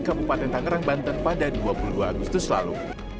kabupaten tangerang banten pada dua puluh dua agustus lalu